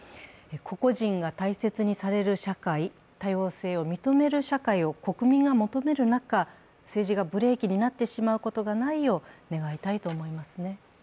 個々人が大切にされる社会、多様性を認める社会を国民が求める中、政治がブレーキになってしまうことがないよう願いたいと思いますね。